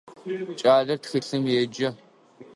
Кӏалэр тхылъым еджэ.